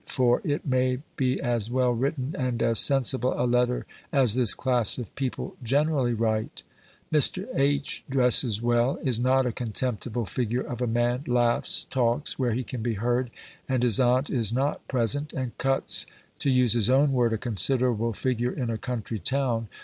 For it may be as well written, and as sensible a letter as this class of people generally write! Mr. H. dresses well, is not a contemptible figure of a man, laughs, talks, where he can be heard, and his aunt is not present; and cuts, to use his own word, a considerable figure in a country town.